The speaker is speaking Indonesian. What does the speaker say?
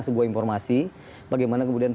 sebuah informasi bagaimana kemudian